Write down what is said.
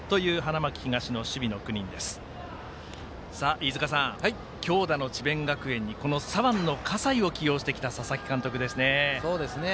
飯塚さん、強打の智弁学園にこの左腕の葛西を起用してきた佐々木監督ですね。